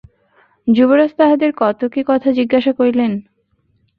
যুবরাজ তাহাদের কত কী কথা জিজ্ঞাসা করিলেন।